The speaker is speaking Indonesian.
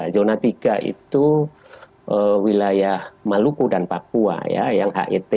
zona tiga itu wilayah maluku dan papua yang het